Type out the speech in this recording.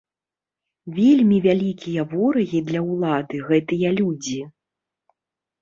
Вельмі вялікія ворагі для ўлады гэтыя людзі!